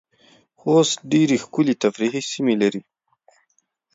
خوست ډیرې ښکلې تفریحې سیمې لرې